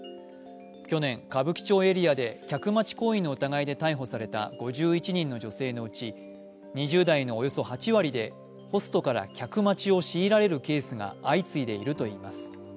去年、歌舞伎町エリアで客待ち行為の疑いで逮捕された５１人の女性のうち２０代のおよそ８割でホストから客待ちを強いられるケースが相次いでいるといいます。